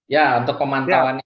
ya untuk pemantauan